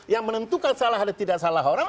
yang menentukan salah atau tidak salah orang